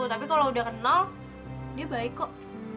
tapi kalau udah kenal dia baik kok